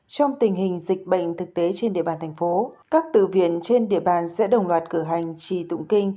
trong tình hình dịch bệnh thực tế trên địa bàn thành phố các tự viện trên địa bàn sẽ đồng loạt cử hành trì tụng kinh